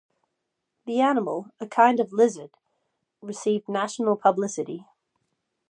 The animal, a kind of lizard, received national publicity.